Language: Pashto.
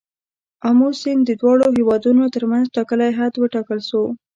آمو سیند د دواړو هیوادونو تر منځ ټاکلی حد وټاکل شو.